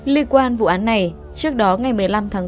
liên quan vụ án này trước đó ngày một mươi năm tháng tám